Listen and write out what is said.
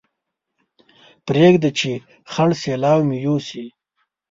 پرېږده چې خړ سېلاو مې يوسي